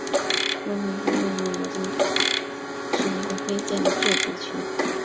霍普顿是位于美国加利福尼亚州默塞德县的一个非建制地区。